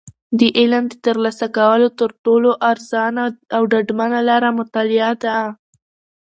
د علم د ترلاسه کولو تر ټولو ارزانه او ډاډمنه لاره مطالعه ده.